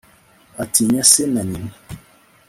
atinya se na nyina